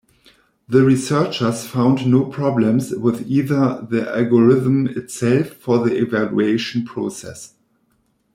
The researchers found no problems with either the algorithm itself or the evaluation process.